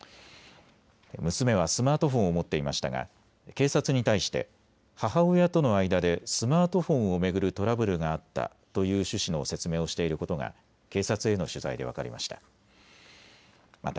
娘はスマートフォンを持っていましたが警察に対して母親との間でスマートフォンを巡るトラブルがあったという趣旨の説明をしていることが警察への取材で分かりました。